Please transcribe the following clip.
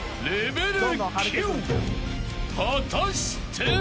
［果たして］